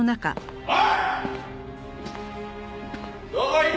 おい！